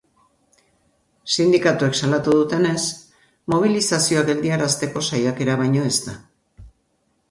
Sindikatuek salatu dutenez, mobilizazioa geldiarazteko saiakera baino ez da.